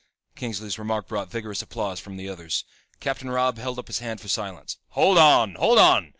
Kingsley's remark brought vigorous applause from the others. Captain Robb held up his hand for silence. "Hold on! Hold on!